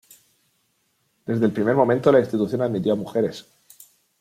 Desde el primer momento la institución admitió a mujeres.